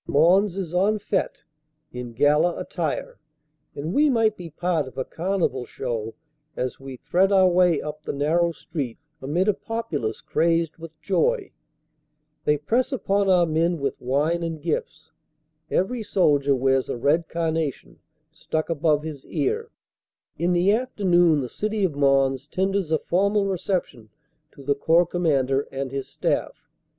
Mons is en fete, in gala attire; and we might be part of a carnival show as we thread our way up the narrow street amid a populace crazed with joy. They press upon our men with wine and gifts; every soldier wears a red carnation, stuck above his ear. In the afternoon the City of Mons tenders a formal reception to the Corps Commander and his staff.